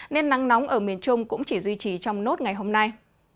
nên nắng nóng ở miền trung cũng chỉ duy trì trong nốt ngày hôm nay